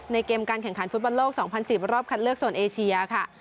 ในเกมการแข่งขันฟุตบันโลกสองพันสิบรอบคัดเลือกส่วนเอเชียค่ะ